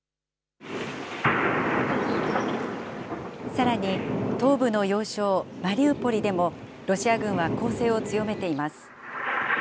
さらに、東部の要衝マリウポリでも、ロシア軍は攻勢を強めています。